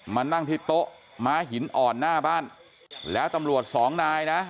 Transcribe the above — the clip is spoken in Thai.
มานั่งที่โต๊ะม้าหินอ่อนหน้าบ้านแล้วตำรวจสองนายนะ